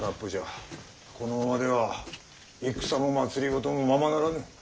このままでは戦も政もままならぬ。